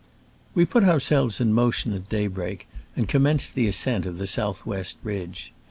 We put ourselves in motion at day break, and commenced the ascent of the south west ridge.